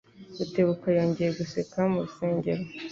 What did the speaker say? Rutebuka yongeye guseka mu rusengero.